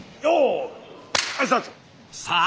さあ